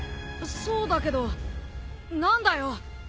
そうだけど何だよ？